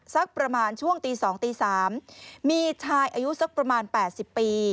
สักประมาณช่วงตี๒ตี๓มีชายอายุสักประมาณ๘๐ปี